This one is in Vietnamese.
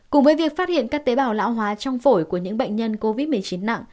cùng với việc phát hiện các tế bào lão hóa trong phổi của những bệnh nhân covid một mươi chín nặng